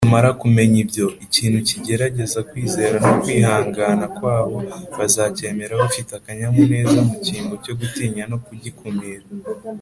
nibamara kumenya ibyo, ikintu kigerageza kwizera no kwihangana kwabo bazacyemera bafite akanyamuneza mu cyimbo cyo kugitinya no kugikumira